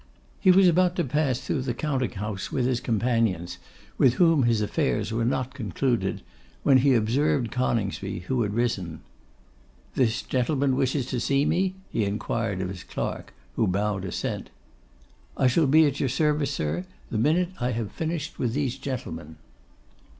He was about to pass through the counting house with his companions, with whom his affairs were not concluded, when he observed Coningsby, who had risen. 'This gentleman wishes to see me?' he inquired of his clerk, who bowed assent. 'I shall be at your service, sir, the moment I have finished with these gentlemen.